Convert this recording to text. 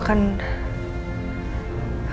aku akan terus berusaha kok ma